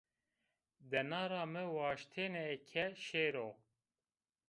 De nara mi waştêne ke şêro